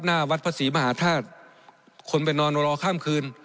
หน้าวัดพระศรีมหาธาตุคนไปนอนรอข้ามคืน